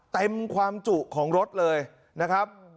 เต็มความจุของรถเลยนะครับ